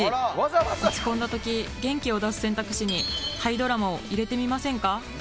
落ち込んだ時元気を出す選択肢にタイドラマを入れてみませんか。